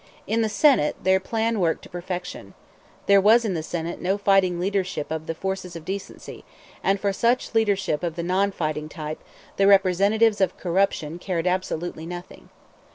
In the Senate their plan worked to perfection. There was in the Senate no fighting leadership of the forces of decency; and for such leadership of the non fighting type the representatives of corruption cared absolutely nothing.